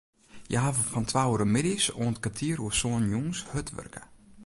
Hja hawwe fan twa oere middeis oant kertier oer sânen jûns hurd wurke.